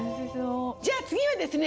じゃあ次はですね